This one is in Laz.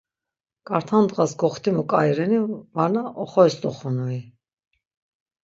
K̆arta ndğas goxtimu k̆ai reni varna oxoris doxunui?